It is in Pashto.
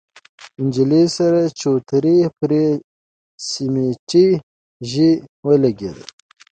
د نجلۍ سر د چوترې پر سميټي ژۍ ولګېد.